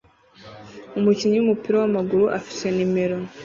Umukinnyi wumupira wamaguru afite numero